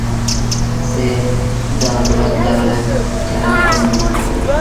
زه دا دوه ډوله چلند نوموم.